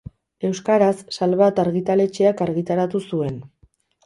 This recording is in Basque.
Euskaraz, Salvat argitaletxeak argitaratu zuen.